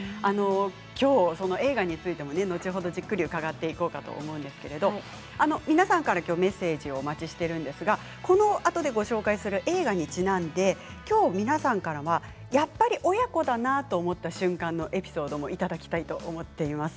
今日も映画について後ほどじっくり伺っていこうかと思いますが皆さんからメッセージをお待ちしていますが、このあとでご紹介する映画にちなんで今日皆さんからはやっぱり親子だなと思った瞬間のエピソードをいただきたいと思っています。